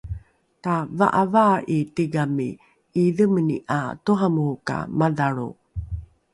tava’avaa’i tigami ’iidhemeni ’a toramoro ka madhalro